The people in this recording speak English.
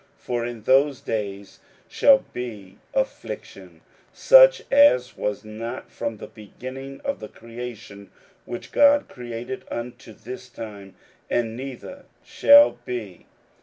41:013:019 For in those days shall be affliction, such as was not from the beginning of the creation which God created unto this time, neither shall be.